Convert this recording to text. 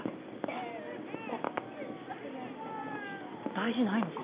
大事ないのか。